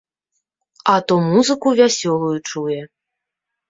А то музыку вясёлую чуе.